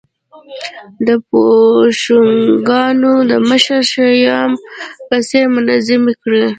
د بوشونګانو د مشر شیام په څېر منظمې کړې